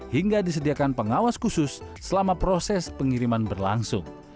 hingga disediakan pengawas khusus selama proses pengiriman berlangsung